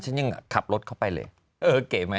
ฉันยังขับรถเข้าไปเลยเออเก๋ไหม